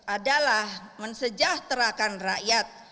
adalah mensejahterakan rakyat